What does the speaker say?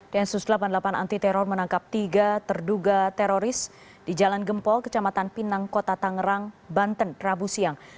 densus delapan puluh delapan anti teror menangkap tiga terduga teroris di jalan gempol kecamatan pinang kota tangerang banten rabu siang